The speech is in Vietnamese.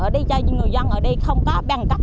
ở đây cho những người dân ở đây không có băng cấp